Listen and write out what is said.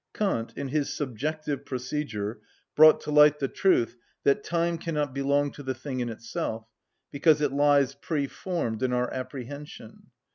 Kant, in his subjective procedure, brought to light the truth that time cannot belong to the thing in itself, because it lies pre‐formed in our apprehension.